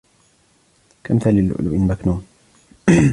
كأمثال اللؤلؤ المكنون